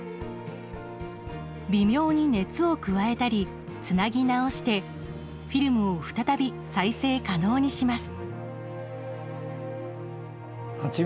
微妙に熱を加えたりつなぎ直してフィルムを再び再生可能にします。